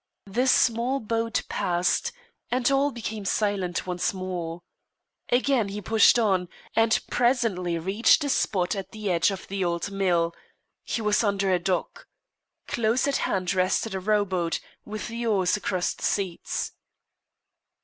The small boat passed, and all became silent once more. Again he pushed on, and presently reached a spot at the edge of the old mill. He was under a dock. Close at hand rested a rowboat, with the oars across the seats.